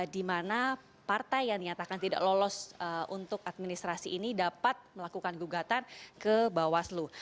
di mana partai yang dinyatakan tidak lolos untuk administrasi ini dapat melakukan gugatan ke bawaslu